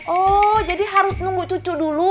oh jadi harus nunggu cucu dulu